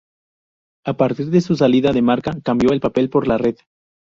A partir de su salida de "Marca" cambió el papel por la red.